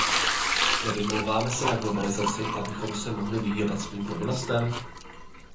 Nevymlouváme se na globalizaci, abychom se mohli vyhýbat svým povinnostem?